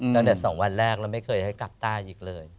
ตั้งแต่๒วันแรกแล้วไม่เคยให้กลับต้าอีกเลย